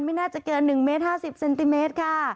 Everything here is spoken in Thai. ไม่น่าจะเกิน๑เมตร๕๐เซนติเมตรค่ะ